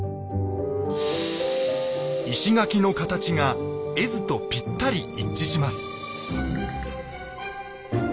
石垣の形が絵図とぴったり一致します。